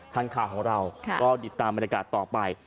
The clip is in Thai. ทางข่าวของเราก็ติดตามบรรยากาศต่อไป